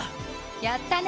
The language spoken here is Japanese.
やったね！